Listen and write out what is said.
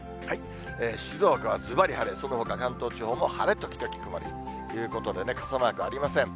静岡はずばり晴れ、そのほか関東地方も晴れ時々曇りということでね、傘マークありません。